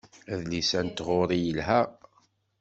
Adlis-a n tɣuri yelha.